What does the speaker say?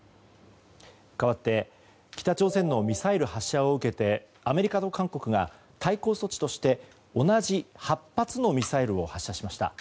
かわって北朝鮮のミサイル発射を受けてアメリカと韓国が対抗措置として同じ８発のミサイルを発射しました。